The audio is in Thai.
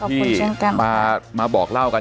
ที่มาบอกเล่ากัน